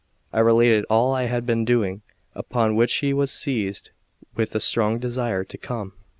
I related all I had been doing; upon which he was seized with a strong desire to come.